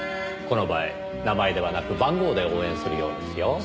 この場合名前ではなく番号で応援するようですよ。